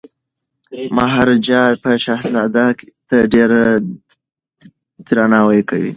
مهاراجا به شهزاده ته ډیر درناوی کوي.